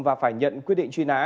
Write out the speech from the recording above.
và phải nhận quyết định truy nã